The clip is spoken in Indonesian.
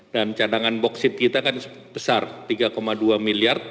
dan cadangan boksit kita kan besar tiga dua miliar